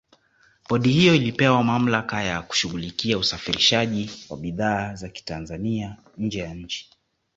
Bodi hiyo ilipewa mamlaka ya kushughulikia usafirishaji wa bidhaa za kitanzania nje ya nchi